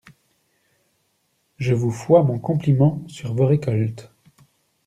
Je vous fois mon compliment sur vos récoltes.